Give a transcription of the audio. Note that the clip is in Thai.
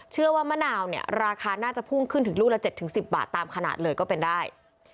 มะนาวเนี่ยราคาน่าจะพุ่งขึ้นถึงลูกละ๗๑๐บาทตามขนาดเลยก็เป็นได้